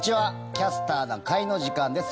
「キャスターな会」の時間です。